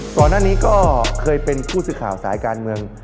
ก่อนหน้านี้ก็เคยเป็นผู้สื่อข่าวสายการเมือง